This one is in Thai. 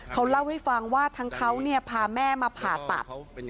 เขาเล่าให้ฟังว่าทั้งเขาพาแม่มาผ่าตัด